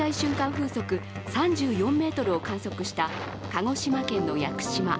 風速３４メートルを観測した鹿児島県の屋久島。